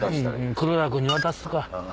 黒田君に渡すとか。